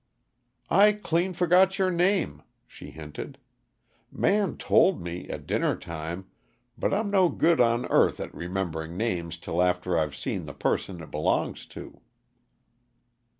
"I clean forgot your name," she hinted. "Man told me, at dinner time, but I'm no good on earth at remembering names till after I've seen the person it belongs to."